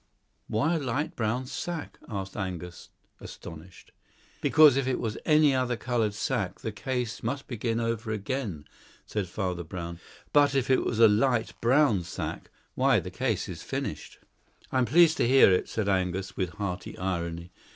"Why a light brown sack?" asked Angus, astonished. "Because if it was any other coloured sack, the case must begin over again," said Father Brown; "but if it was a light brown sack, why, the case is finished." "I am pleased to hear it," said Angus with hearty irony.